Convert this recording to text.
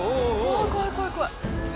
わあ怖い怖い怖い。